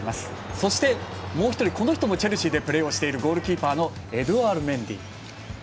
そして、もう１人、この人もチェルシーでプレーしているゴールキーパーのエドゥアール・メンディ。